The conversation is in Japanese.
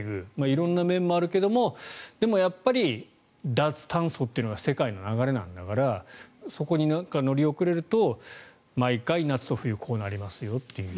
色んな面もあるけどでもやっぱり脱炭素というのが世界の流れなんだからそこに乗り遅れると毎回、夏と冬こうなりますよという。